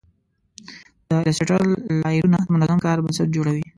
د ایلیسټریټر لایرونه د منظم کار بنسټ جوړوي.